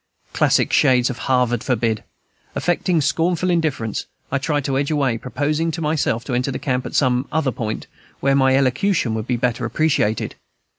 Classic shades of Harvard, forbid! Affecting scornful indifference, I tried to edge away, proposing to myself to enter the camp at some other point, where my elocution would be better appreciated.